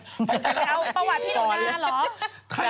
ไปไทยรัฐออนไลน์ไปเจอเอาประวัติพี่หนูนาเหรอ